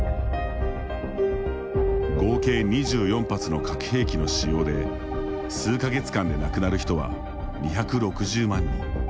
合計２４発の核兵器の使用で数か月間で亡くなる人は２６０万人。